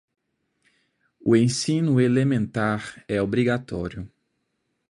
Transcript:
O ensino elementar é obrigatório.